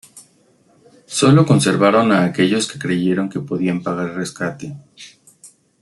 Solo conservaron a aquellos que creyeron que podían pagar rescate.